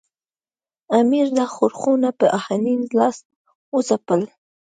امیر دا ښورښونه په آهنین لاس وځپل.